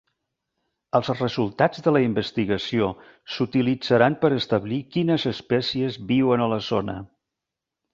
Els resultats de la investigació s'utilitzaran per establir quines espècies viuen a la zona.